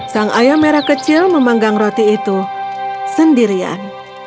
sang ayam merah kecil memanggang roti itu sendirian